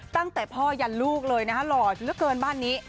ตั้งแต่พ่อยันลูกเลยนะฮะหล่อเหลือเกินบ้านนี้